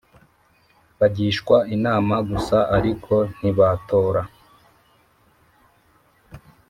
Bagishwa inama gusa ariko ntibatora